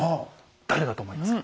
誰だと思いますか？